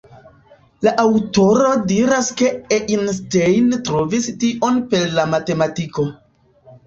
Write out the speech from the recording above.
La aŭtoro diras ke Einstein trovis Dion per la matematiko.